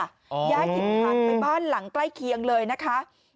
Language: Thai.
ย้ายถิ่นฐานไปบ้านหลังใกล้เคียงเลยนะคะ